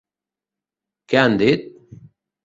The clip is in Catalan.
Què han dit?